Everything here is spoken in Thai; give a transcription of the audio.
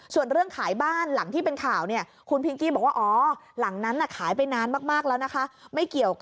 ส่วนเรื่องขายบ้านหลังที่เป็นข่าวเนี่ย